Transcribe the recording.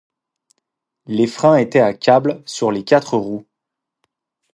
Les freins étaient à câble sur les quatre roues.